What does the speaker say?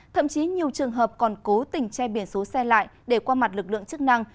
thậm chí nhiều trường hợp còn cố tình che biển số xe lại để qua mặt lực lượng chức năng